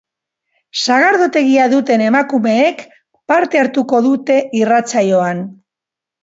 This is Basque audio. Sagardotegia duten emakumeek parte hartuko dute irratsaioan.